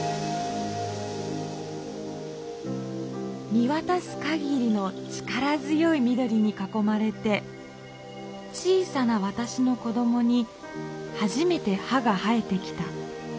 見わたすかぎりの力強いみどりにかこまれて小さなわたしの子どもにはじめて歯が生えてきた。